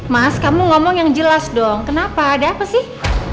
mas kamu ngomong yang jelas dong kenapa ada apa sih